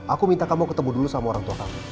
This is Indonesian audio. aku minta kamu ketemu dulu sama orang tua kamu